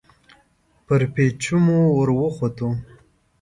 پر پېچومو ور وختو.